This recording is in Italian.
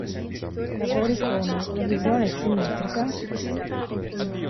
Lavori come "La visione è simmetrica?